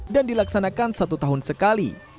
dan dilaksanakan satu tahun sekali